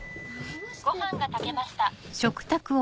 ご飯が炊けました。